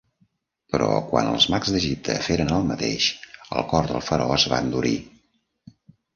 Però quan els mags d'Egipte feren el mateix, el cor del faraó es va endurir.